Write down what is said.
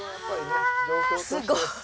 すごい！